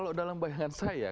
kalau dalam bayangan saya